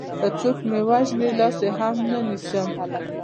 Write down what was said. که څوک مې وژني لاس يې هم نه نيسم